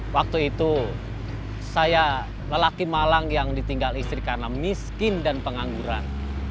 waktu itu saya lelaki malang yang ditinggal istri karena miskin dan pengangguran